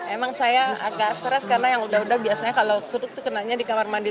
emang saya agak stres karena yang udah udah biasanya kalau struk itu kenanya di kamar mandi